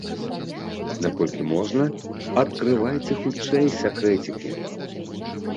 Наколькі можна, адкрывайце хутчэй сакрэцікі!!!